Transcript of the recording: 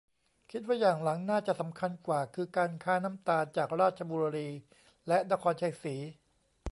คิดว่าอย่างหลังน่าจะสำคัญกว่า คือการค้าน้ำตาลจากราชบุรีและนครไชยศรี